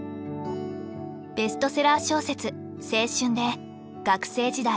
ベストセラー小説「青春」で学生時代